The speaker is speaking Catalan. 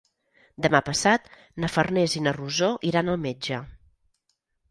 Demà passat na Farners i na Rosó iran al metge.